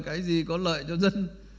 cái gì có lợi cho dân